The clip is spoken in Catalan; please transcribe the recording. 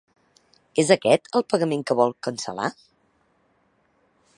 És aquest el pagament que vol cancel·lar?